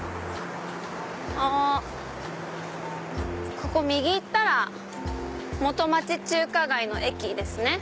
ここ右行ったら元町・中華街の駅ですね。